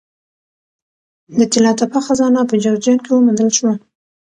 د طلا تپه خزانه په جوزجان کې وموندل شوه